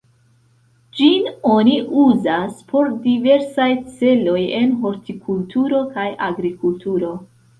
Ĝin oni uzas por diversaj celoj en hortikulturo kaj agrikulturo.